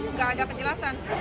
nggak ada kejelasan